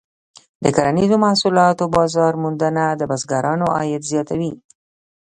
د کرنیزو محصولاتو بازار موندنه د بزګرانو عاید زیاتوي.